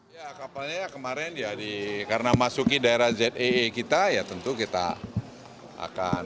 ya kapalnya kemarin ya di karena masuki daerah zee kita ya tentu kita akan